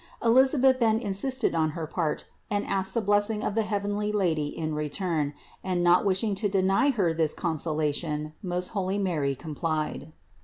Elisabeth then in sisted on her part and asked the blessing of the heavenly Lady in return, and not wishing to deny her this con solation, most holy Mary complied.